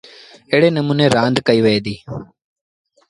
ايڙي نموٚني رآند ڪئيٚ وهي دي۔